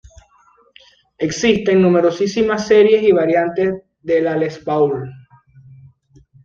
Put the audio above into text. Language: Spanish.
Existen numerosísimas series y variantes de la Les Paul.